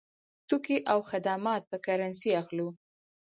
توکي او خدمات په کرنسۍ اخلو.